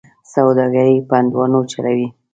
سوداګري په هندوانو چلوي.